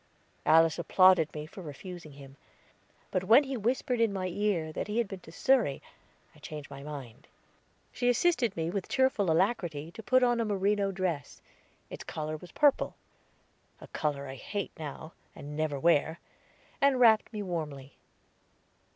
Alice applauded me for refusing him; but when he whispered in my ear that he had been to Surrey I changed my mind. She assisted me with cheerful alacrity to put on a merino dress, its color was purple; a color I hate now, and never wear and wrapped me warmly.